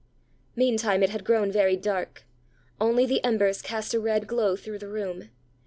Meantime it had grown very dark; only the embers cast a red glow through the room.